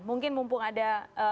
mungkin mumpung ada